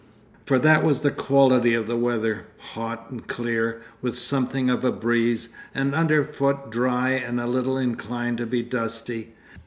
For that was the quality of the weather, hot and clear, with something of a breeze, and underfoot dry and a little inclined to be dusty.